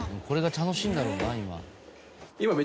これが楽しいんだろうな今。